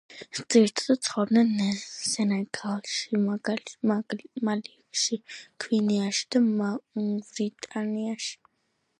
ძირითადად ცხოვრობენ სენეგალში, მალიში, გვინეაში და მავრიტანიაში.